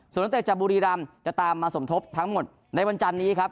ส่วนนักเตะจากบุรีรำจะตามมาสมทบทั้งหมดในวันจันนี้ครับ